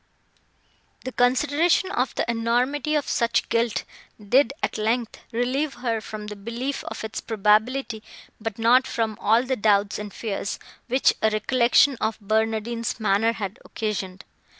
The consideration of the enormity of such guilt did, at length, relieve her from the belief of its probability, but not from all the doubts and fears, which a recollection of Barnardine's manner had occasioned.